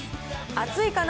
暑いかな？